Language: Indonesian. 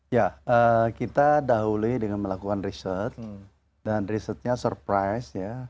ya kita dahulu dengan melakukan riset dan risetnya surprise ya